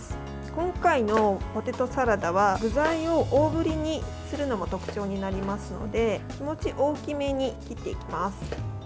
今回のポテトサラダは具材を大ぶりにするのも特徴になりますので気持ち、大きめに切っていきます。